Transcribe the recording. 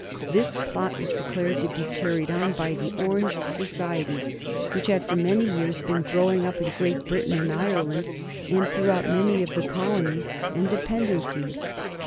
This plot was declared to be carried on by the Orange societies which had for many years been growing up in Great Britain and Ireland, and throughout many of the colonies and dependencies.